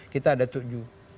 kita ada tujuh